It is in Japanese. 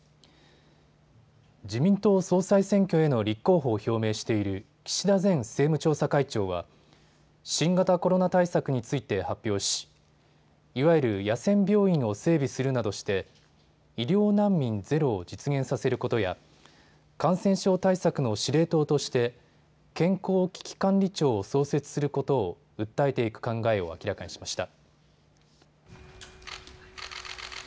自民党総裁選挙への立候補を表明している岸田前政務調査会長は新型コロナ対策について発表しいわゆる野戦病院を整備するなどして医療難民ゼロを実現させることや感染症対策の司令塔として健康危機管理庁を創設することを訴えていく考えを明らかにしました。